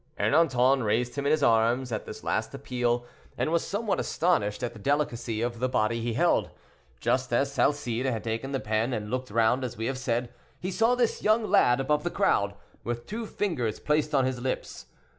Ernanton raised him in his arms at this last appeal, and was somewhat astonished at the delicacy of the body he held. Just as Salcede had taken the pen, and looked round as we have said, he saw this young lad above the crowd, with two fingers placed on his lips.